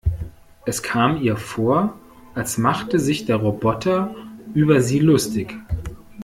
Es kam ihr vor, als machte sich der Roboter über sie lustig.